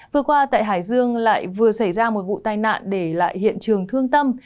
vừa qua tại hải dương lại vừa xảy ra một vụ tai nạn để lại hiện trường thương tâm